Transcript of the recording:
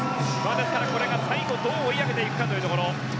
ですからこれが最後どう追い上げていくかというところ。